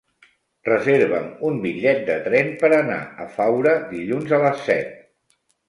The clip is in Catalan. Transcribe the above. Reserva'm un bitllet de tren per anar a Faura dilluns a les set.